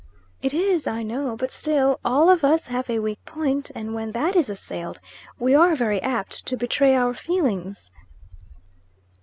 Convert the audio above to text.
"It is, I know; but still, all of us have a weak point, and when that is assailed, we are very apt to betray our feelings."